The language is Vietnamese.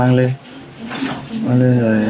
mang lên rồi em cũng có xào kia rồi cho mọi người chơi